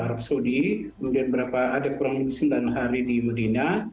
arab saudi kemudian ada kurang lebih sembilan hari di medina